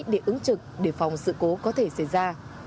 để ứng trực để phòng sự cố có thể xảy ra